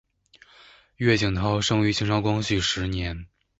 乐景涛生于清朝光绪十年。